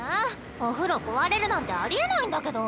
お風呂壊れるなんてありえないんだけど。